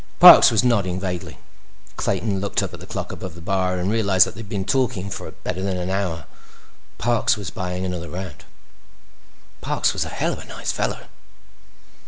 Parks was nodding vaguely. Clayton looked up at the clock above the bar and realized that they had been talking for better than an hour. Parks was buying another round. Parks was a hell of a nice fellow.